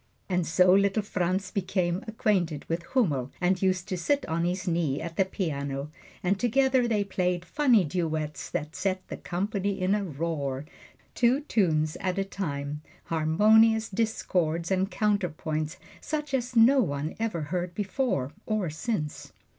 And so little Franz became acquainted with Hummel and used to sit on his knee at the piano, and together they played funny duets that set the company in a roar two tunes at a time, harmonious discords and counterpoint, such as no one ever heard before, or since.